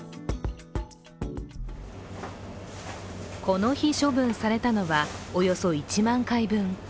この日処分されたのはおよそ１万回分。